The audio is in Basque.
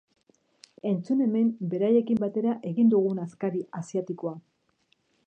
Entzun hemen beraiekin batera egin dugun askari asiatikoa!